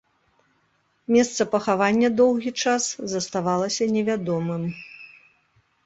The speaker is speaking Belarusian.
Месца пахавання доўгі час заставалася невядомым.